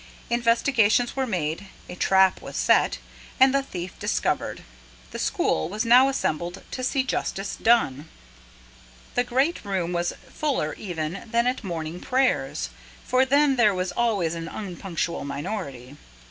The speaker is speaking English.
Investigations were made, a trap was set, and the thief discovered. The school was now assembled to see justice done. The great room was fuller even than at morning prayers; for then there was always an unpunctual minority.